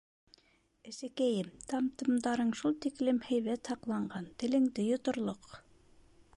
Әсәкәйем, тәм-томдарың шул тиклем һәйбәт һаҡланған, телеңде йоторлоҡ...